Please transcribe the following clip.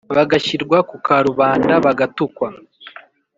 bagashyirwa ku karubanda bagatukwa